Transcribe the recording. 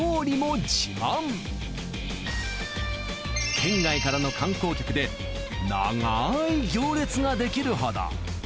県外からの観光客で長い行列ができるほど。